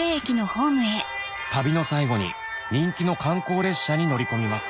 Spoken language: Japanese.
旅の最後に人気の観光列車に乗り込みます